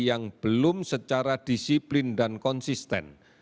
yang belum secara disiplin dan konsisten